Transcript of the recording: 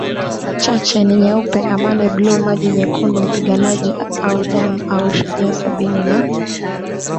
chache ni nyeupe amani bluu maji nyekundu mpiganaji au damu au shujaa Sabini na